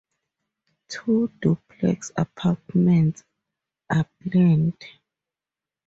Two duplex apartments are planned.